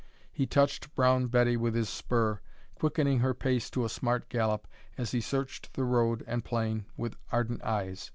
He touched Brown Betty with his spur, quickening her pace to a smart gallop as he searched the road and plain with ardent eyes.